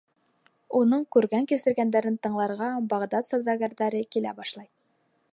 Уның күргән-кисергәндәрен тыңларға Бағдад сауҙагәрҙәре килә башлай.